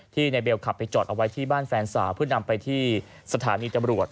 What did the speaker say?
นายเบลขับไปจอดเอาไว้ที่บ้านแฟนสาวเพื่อนำไปที่สถานีตำรวจ